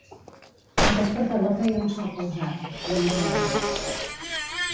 El despertador feia un so pausat, monocorde.